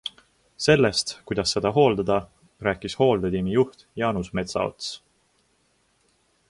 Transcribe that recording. Sellest, kuidas seda hooldada, rääkis hooldetiimi juht Jaanus Metsaots.